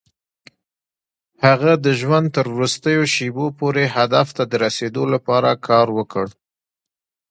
هغه د ژوند تر وروستيو شېبو پورې هدف ته د رسېدو لپاره کار وکړ.